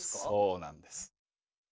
そうなんです。